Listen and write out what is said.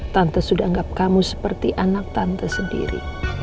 tante sudah anggap kamu seperti anak tante sendiri